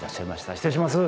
失礼します。